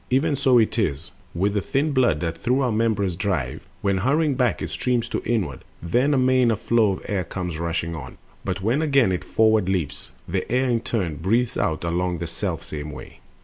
Even so it is With the thin blood that through our members drives: When hurrying back it streams to inward, then Amain a flow of air comes rushing on; But when again it forward leaps, the air In turn breathes out along the selfsame way.